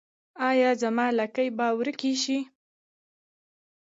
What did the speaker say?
ایا زما لکې به ورکې شي؟